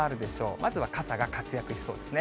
まずは傘が活躍しそうですね。